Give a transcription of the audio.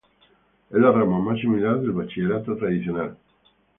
Es la rama más similar al "bachillerato tradicional".